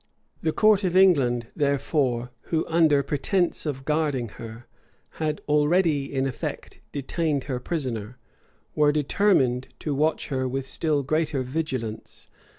[] The court of England, therefore, who, under pretence of guarding her, had already in effect detained her prisoner, were determined to watch her with still greater vigilance.